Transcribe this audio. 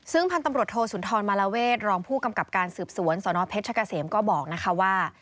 ซึ่งพันธุ์ตำรวจโทสุนทรมาลาเวศรองผู้กำกับการสืบสวนสนเพชรเกษมก็บอกนะคะว่า